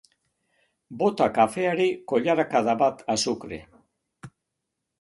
Bota kafeari koilarakada bat azukre.